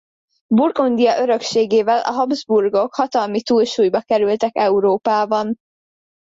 Burgundia örökségével a Habsburgok hatalmi túlsúlyba kerültek Európában.